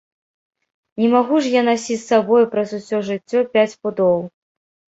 Не магу ж я насіць з сабою праз усё жыццё пяць пудоў!